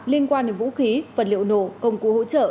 liên quan đến vũ khí vật liệu nổ công cụ hỗ trợ